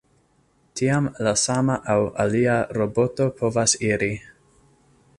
Tiam la sama aŭ alia roboto povas iri.